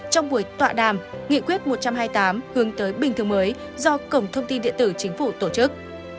trong buổi tọa đàm nghị quyết một trăm hai mươi tám hướng tới bình thường mới do cổng thông tin điện tử chính phủ tổ chức